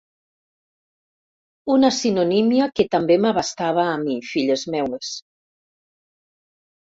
Una sinonímia que també m'abastava a mi, filles meves.